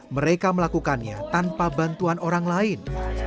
mereka melakukannya tanpa bantuan orang lain